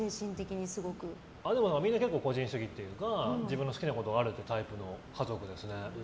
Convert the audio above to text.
みんな結構個人主義というか自分の好きなことがあるタイプの家族ですね。